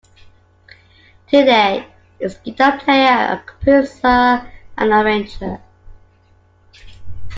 Today, he's a guitar player, a composer and an arranger.